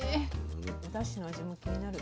おダシの味も気になる。